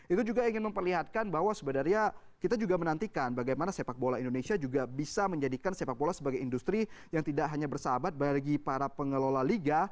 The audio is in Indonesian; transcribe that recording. itu juga ingin memperlihatkan bahwa sebenarnya kita juga menantikan bagaimana sepak bola indonesia juga bisa menjadikan sepak bola sebagai industri yang tidak hanya bersahabat bagi para pengelola liga